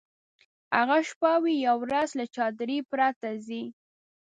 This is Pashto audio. هغه شپه وي یا ورځ له چادرۍ پرته ځي.